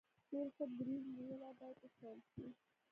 ډیر ښه دریځ نیولی باید وستایل شي.